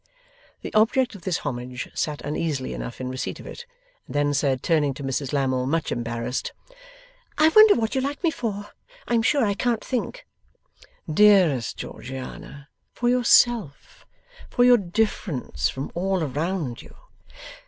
The object of this homage sat uneasily enough in receipt of it, and then said, turning to Mrs Lammle, much embarrassed: 'I wonder what you like me for! I am sure I can't think.' 'Dearest Georgiana, for yourself. For your difference from all around you.